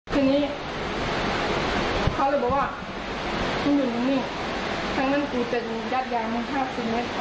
ทีนี้เขาเลยบอกว่านี่นี่นี่ทั้งนั้นกูจะยัดยานมันห้าสิบเมตร